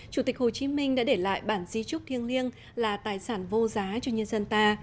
chủ tịch hồ chí minh đã để lại bản di trúc thiêng liêng là tài sản vô giá cho nhân dân ta